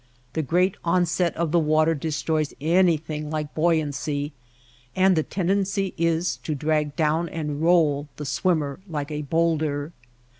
The great onset of the water destroys anything like buoy ancy, and the tendency is to drag down and roll the swimmer like a bowlder.